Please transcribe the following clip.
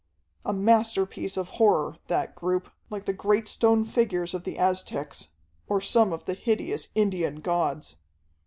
A masterpiece of horror, that group, like the great stone figures of the Aztecs, or some of the hideous Indian gods.